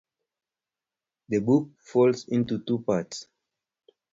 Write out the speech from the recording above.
The book falls into two parts.